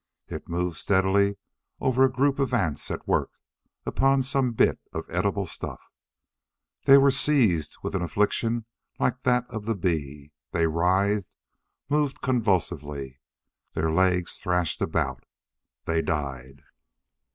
It moved steadily over a group of ants at work upon some bit of edible stuff. They were seized with an affliction like that of the bee. They writhed, moved convulsively. Their legs thrashed about. They died.